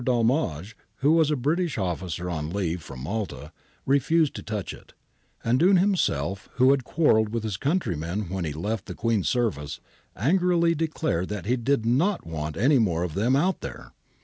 Dolmage, who was a British officer on leave from Malta, refused to touch it, and Dunne himself, who had quarrelled with his countrymen when he left the Queen's service, angrily declared that he did not want any more of them out there.